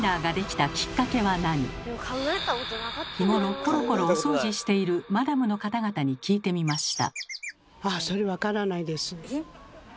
日頃コロコロお掃除しているマダムの方々に聞いてみました。